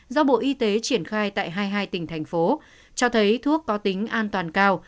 do bộ y tế triển khai tại hai mươi hai tỉnh thành phố cho thấy thuốc có tính an toàn cao